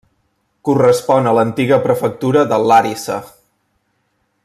Correspon a l'antiga prefectura de Làrissa.